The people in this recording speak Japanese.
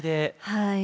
はい。